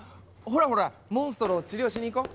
ほらモンストロを治療しに行こう！